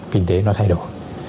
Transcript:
kinh tế nó thay đổi